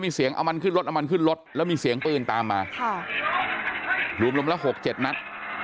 มีเสียงเอามันขึ้นรถเอามันขึ้นรถแล้วมีเสียงปืนตามมาค่ะรวมรวมละหกเจ็ดนัด